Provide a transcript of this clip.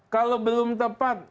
kalau belum tepat